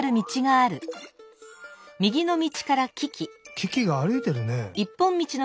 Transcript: キキが歩いてるね。